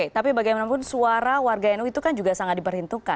tapi bagaimanapun suara warga nu itu kan juga sangat diperhitungkan